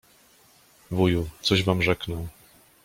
Wuju, coś wam rzeknę.